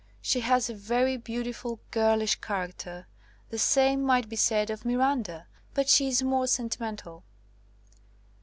She has a very beautiful girlish character. The same might be said of Miranda, but she is more sentimental.